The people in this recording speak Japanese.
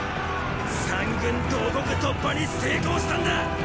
三軍同刻突破に成功したんだ！！